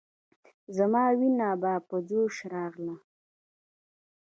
زما وينه به په جوش راغله.